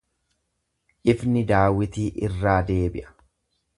Ifni daawwitii irraa deebi’a.